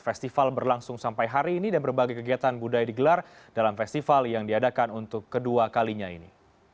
festival berlangsung sampai hari ini dan berbagai kegiatan budaya digelar dalam festival yang diadakan untuk kedua kalinya ini